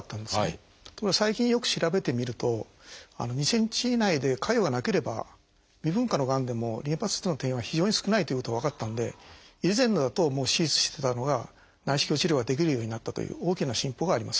ところが最近よく調べてみると２ｃｍ以内で潰瘍がなければ未分化のがんでもリンパ節への転移は非常に少ないということが分かったんで以前だと手術してたのが内視鏡治療ができるようになったという大きな進歩があります。